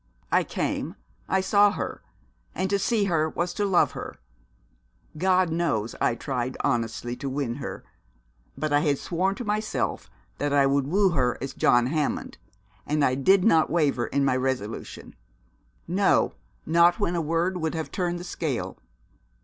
I came, I saw her; and to see was to love her. God knows I tried honestly to win her; but I had sworn to myself that I would woo her as John Hammond, and I did not waver in my resolution no, not when a word would have turned the scale.